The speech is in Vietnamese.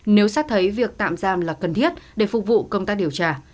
nếu xét thấy việc tạm giam là cần thiết để phục vụ công tác điều tra